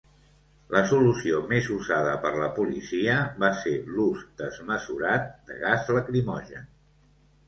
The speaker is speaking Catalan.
La solució més usada per la policia va ser l'ús desmesurat de gas lacrimogen.